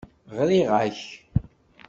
Ɣriɣ-ak.